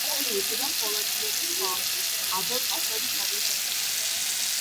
სახელი ეწოდა ჰოლანდიელი ზღვაოსნის აბელ ტასმანის პატივსაცემად.